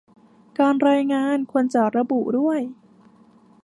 การรายงานควรจะระบุด้วย